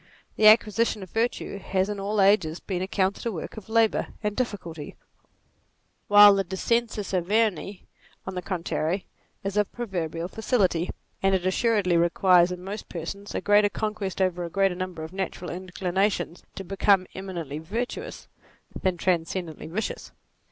The acquisition of virtue has in all ages been accounted a work of labour and difficulty, while the dcscensus Averni on the contrary is of proverbial facility : and it assuredly requires in most persons a greater conquest over a greater number of natural in clinations bo become eminently virtuous than tran scendently vicious.